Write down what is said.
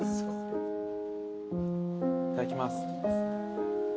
いただきます。